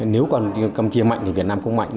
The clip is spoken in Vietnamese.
nếu campuchia mạnh thì việt nam cũng mạnh